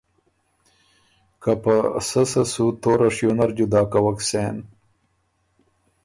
که په سۀ سۀ سُو توره شیو نر جدا کوَک سېن